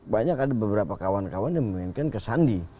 banyak ada beberapa kawan kawan yang memainkan ke sandi